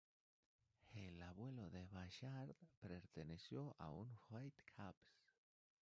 El abuelo de Ballard perteneció a un White Caps.